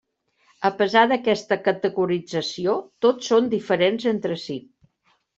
A pesar d'aquesta categorització tots són diferents entre si.